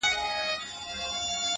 • زما له زوره ابادیږي لوی ملکونه,